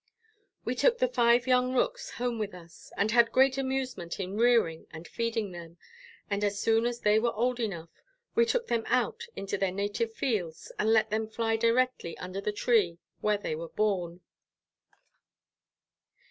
We took the five young rooks home with us, and had great amusement in rearing and feeding them, and as soon as they were old enough, we took them out into their native fields, and let them fly directly under the tree where they were born.